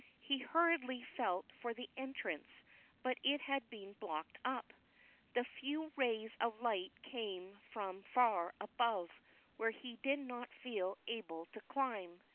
THE KING CAT. 359 He hurriedly felt for the entrance^ but it had been blocked up. The few rays of light came from far above^ where he did not feel able to climb.